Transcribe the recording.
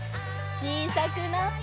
ちいさくなって。